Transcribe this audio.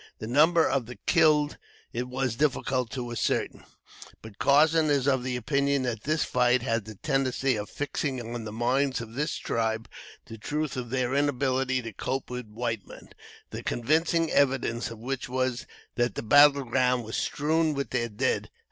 The number of the killed it was difficult to ascertain; but Carson is of the opinion that this fight had the tendency of fixing on the minds of this tribe the truth of their inability to cope with white men, the convincing evidence of which was that the battle ground was strewn with their dead.